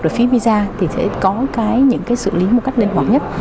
rồi phí visa thì sẽ có cái những cái xử lý một cách linh hoạt nhất